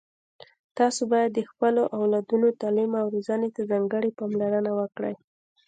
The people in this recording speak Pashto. تاسو باید د خپلو اولادونو تعلیم او روزنې ته ځانګړي پاملرنه وکړئ